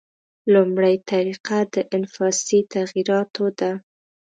لومړۍ طریقه د انفسي تغییراتو ده.